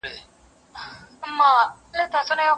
چي انسان خداى له ازله پيدا كړى